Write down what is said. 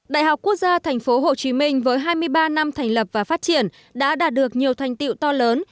đại học quốc gia tp hcm với hai mươi ba năm thành lập và phát triển đã đạt được nhiều thành tiệu to lớn